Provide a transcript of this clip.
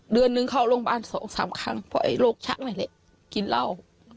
เดือนนึงเข้าโรงพยาบาลสองสามครั้งเพราะไอ้โรคชักนั่นแหละกินเหล้า